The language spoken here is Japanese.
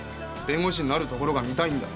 弁護士になるところが見たいんだ。